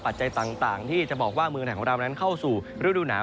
ปัจจัยต่างที่จะบอกว่าเมืองอาหารของเราเข้าสู่ฤดูหนา